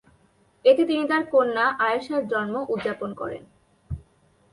এতে তিনি তাঁর কন্যা আয়েশার জন্ম উদযাপন করেন।